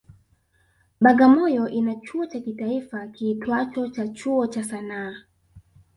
Bagamoyo ina chuo cha kitaifa kiitwacho cha Chuo cha sanaa